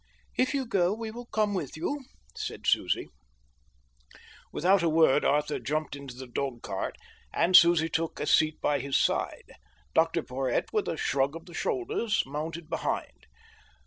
"If you go, we will come with you," said Susie. Without a word Arthur jumped into the dog cart, and Susie took a seat by his side. Dr Porhoët, with a shrug of the shoulders, mounted behind.